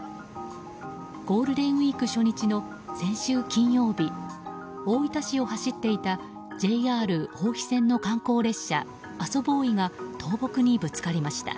ゴールデンウィーク初日の先週金曜日大分市を走っていたＪＲ豊肥線の観光列車「あそぼーい！」が倒木にぶつかりました。